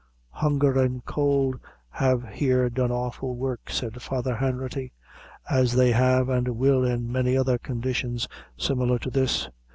"Hunger and cold have here done awful work," said Father Hanratty, "as they have and will in many other conditions similar to this.